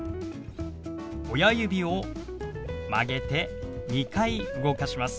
親指を曲げて２回動かします。